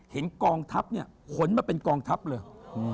กองทัพเนี่ยขนมาเป็นกองทัพเลย